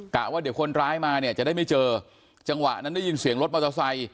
ว่าเดี๋ยวคนร้ายมาเนี่ยจะได้ไม่เจอจังหวะนั้นได้ยินเสียงรถมอเตอร์ไซค